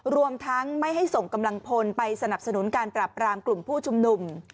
รวมทั้งไม่ให้ส่งกำลังพลไปสนับสนุนการปรับรามกลุ่มผู้ชุมนุม